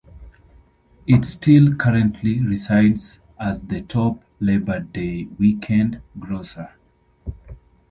It still currently resides as the top Labor Day weekend grosser.